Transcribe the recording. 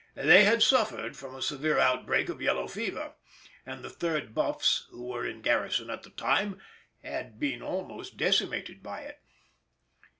They had suffered from a severe outbreak of yellow fever, and the 3rd Buffs, who were in garrison at the time, had been almost decimated by it.